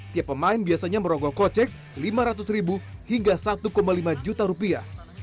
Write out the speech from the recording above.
tiap pemain biasanya merogoh kocek lima ratus ribu hingga satu lima juta rupiah